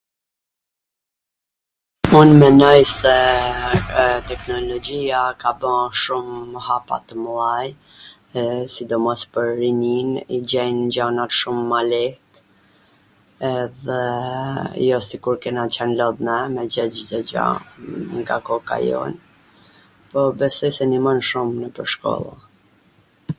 Un mendoj se teknologjia ka ba shum hapa t mdhaja dhe sidomos pwr rinin, i gjen gjanat shum ma let, edhe jo sikur kena qwn lodh na me gjet Cdo gja nga koka jon, po besoj se nimon shum nwpwr shkolla.